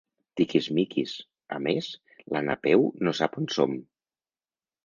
Tiquismiquis— A més, la Napeu no sap on som!